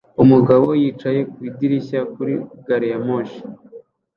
Umugabo yicaye ku idirishya kuri gari ya moshi